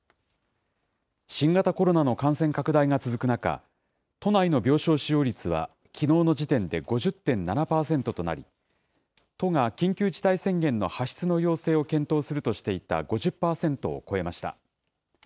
新型コロナの感染拡大が続く中、都内の病床使用率はきのうの時点で５０．７％となり、都が緊急事態宣言の発出の要請を検討するとしていた５０％を超えました。